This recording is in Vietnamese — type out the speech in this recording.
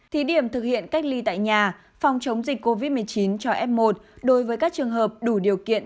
thí điểm thực hiện cách ly tại nhà phòng chống dịch covid một mươi chín cho f một đối với các trường hợp đủ điều kiện